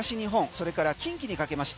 それから近畿にかけまし